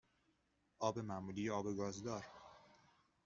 آب معمولی یا آب گازدار؟